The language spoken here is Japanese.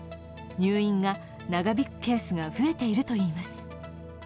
入院が長引くケースが増えているといいます。